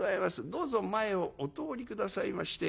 どうぞ前をお通り下さいまして」。